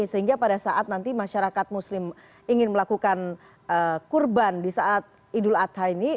sehingga pada saat nanti masyarakat muslim ingin melakukan kurban di saat idul adha ini